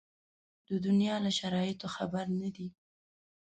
د دنیا له شرایطو خبر نه دي.